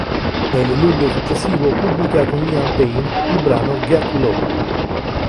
Nel luglio successivo pubblica con Liam Payne il brano "Get Low".